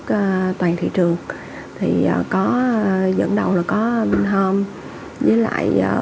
vn ba mươi là những nhóm vn ba mươi